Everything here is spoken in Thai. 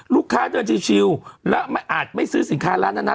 เดินชิวแล้วอาจไม่ซื้อสินค้าร้านนั้นนะ